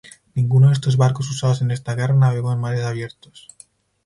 Ninguno de estos barcos usados en esta guerra navegó en mares abiertos.